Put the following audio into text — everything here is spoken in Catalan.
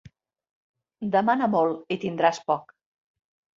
Demana molt i tindràs poc.